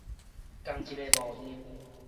仝一个模樣